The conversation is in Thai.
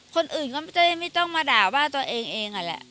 คนอื่นก็ไม่ได้ไม่ต้องมาด่าว่าตัวเองเองอะแหละ